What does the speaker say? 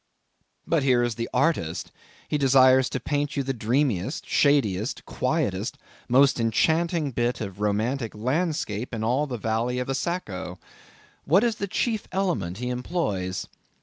But here is an artist. He desires to paint you the dreamiest, shadiest, quietest, most enchanting bit of romantic landscape in all the valley of the Saco. What is the chief element he employs?